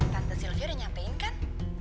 tante silvia udah nyampein kan